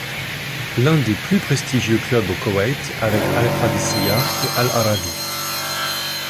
L'un des plus prestigieux club au Koweït avec Al-Qadisiya et Al-Arabi.